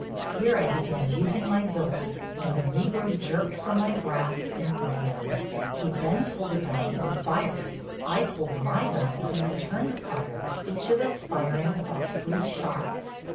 Here I began using my billet, and the Negro jerked from my grasp and ran. He then pulled a gun and fired. I pulled my gun and returned the fire, each of us firing about three shots.